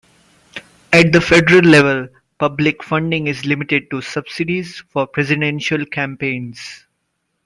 At the federal level, public funding is limited to subsidies for presidential campaigns.